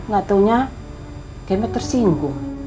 gatunya kemet tersinggung